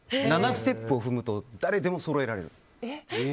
７ステップを踏むと誰でもそろえられる。